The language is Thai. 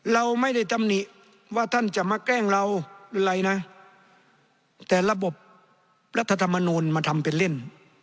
เราไม่ได้ตำหนิว่าท่านจะมาแกล้งเราอะไรนะแต่ระบบรัฐธรรมนูลมาทำเป็นเล่น